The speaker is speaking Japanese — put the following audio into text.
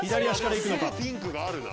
すぐピンクがあるな。